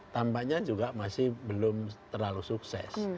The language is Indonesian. tampaknya juga masih belum terlalu sukses